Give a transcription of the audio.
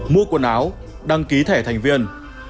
mua quần áo đăng ký thẻ thành viên